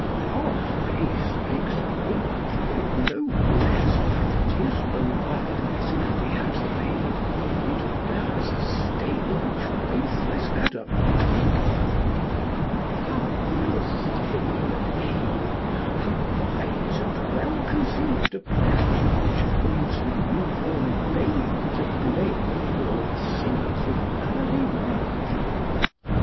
Our faith makes plain That, if no blest baptismal word Has cleared the babe, it bears the stain Which faithless Adam had incurred. How philosophical an aim! How wise and well conceived a plan Which holds the new born babe to blame For all the sins of early man!